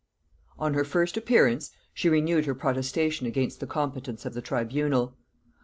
On her first appearance she renewed her protestation against the competence of the tribunal.